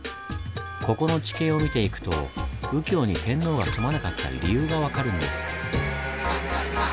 ここの地形を見ていくと右京に天皇が住まなかった理由が分かるんです。